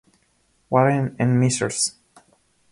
Warren en "Mrs.